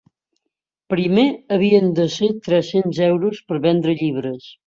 Primer havien de ser tres-cents euros per vendre llibres.